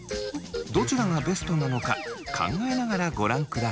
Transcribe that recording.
どちらがベストなのか考えながらご覧ください。